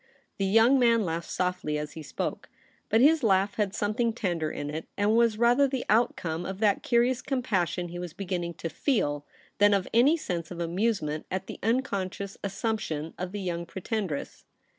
The young man laughed softly as he spoke, but his laugh had something tender In It, and w^as rather the outcome of that curious com passion he was beginning to feel than of any sense of amusement at the unconscious assumption of the young Pretendress.